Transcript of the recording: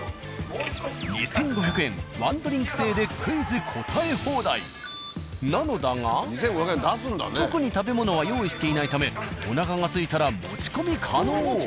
２，５００円ワンドリンク制でなのだが特に食べ物は用意していないためおなかがすいたら持ち込み可能。